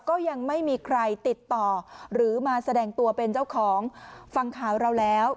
ก็ยังไม่มีใครติดต่อหรือมาแสดงตัวเป็นเจ้าของฟังข่าวเราแล้ว